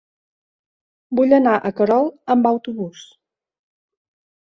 Vull anar a Querol amb autobús.